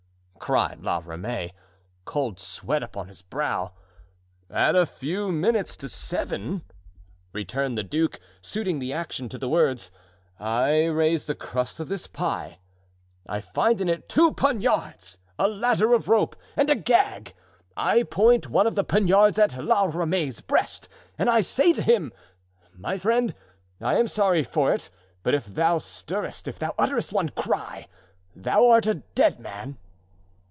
cried La Ramee, cold sweat upon his brow. "At a few minutes to seven," returned the duke (suiting the action to the words), "I raise the crust of the pie; I find in it two poniards, a ladder of rope, and a gag. I point one of the poniards at La Ramee's breast and I say to him, 'My friend, I am sorry for it, but if thou stirrest, if thou utterest one cry, thou art a dead man!